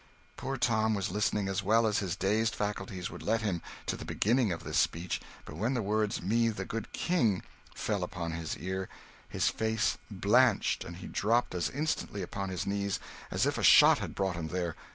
Poor Tom was listening, as well as his dazed faculties would let him, to the beginning of this speech; but when the words 'me, the good King' fell upon his ear, his face blanched, and he dropped as instantly upon his knees as if a shot had brought him there.